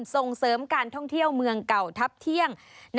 ส่งเสริมการท่องเที่ยวเมืองเก่าทัพเที่ยง